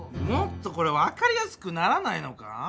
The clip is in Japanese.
もっとこれわかりやすくならないのか？